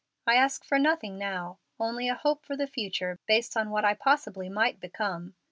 I asked for nothing now, only a hope for the future based on what I possibly might become.